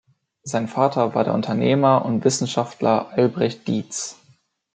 Sein Vater war der Unternehmer und Wissenschaftler Albrecht Dietz.